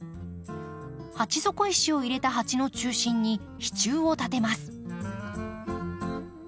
鉢底石を入れた鉢の中心に支柱を立てます。